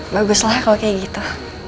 baguslah kalau kayak gitu